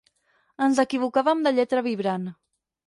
Ens equivocàvem de lletra vibrant.